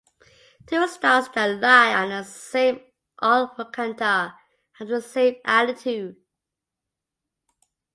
Two stars that lie on the same almucantar have the same altitude.